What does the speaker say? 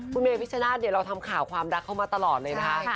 คุณเมพิชนาธิ์เราทำข่าวความรักเข้ามาตลอดเลยนะคะ